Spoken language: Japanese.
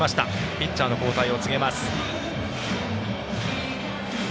ピッチャーの交代を告げます。